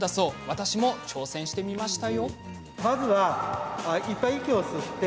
私も挑戦してみました。